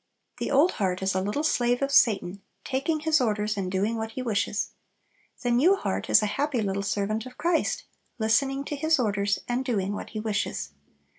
The old heart is a little slave of Satan, taking his orders, and doing what he wishes. The new heart is a happy little servant of Christ, listening to His orders, and doing what He wishes.